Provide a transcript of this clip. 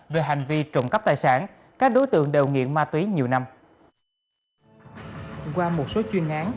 qua một số chuyên án